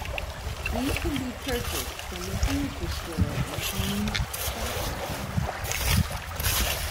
These can be purchased from the Furniture store in Home's shopping complex.